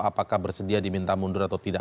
apakah bersedia diminta mundur atau tidak